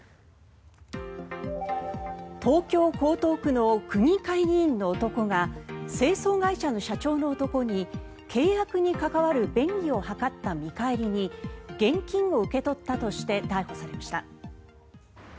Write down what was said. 東京・江東区の区議会議員の男が清掃会社の社長の男に契約に関わる便宜を図った見返りに現金を受け取ったとして逮捕されました。